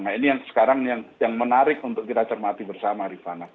nah ini yang sekarang yang menarik untuk kita cermati bersama rifana